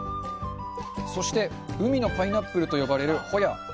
そして、海のパイナップルと呼ばれるホヤ。